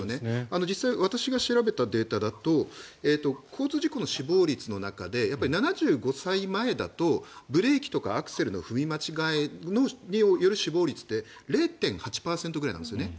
実際、私が調べたデータだと交通事故の死亡率の中で７５歳前だとブレーキとかアクセルの踏み間違えによる死亡率って０．８％ぐらいなんですね。